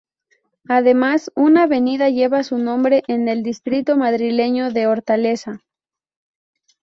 Además, una avenida lleva su nombre en el distrito madrileño de Hortaleza.